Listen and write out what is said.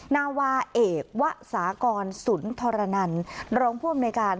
นาวาเอกวะสากรสุนทรนันรองผู้อำนวยการ